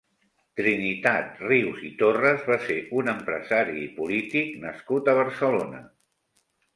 Trinitat Rius i Torres va ser un empresari i polític nascut a Barcelona.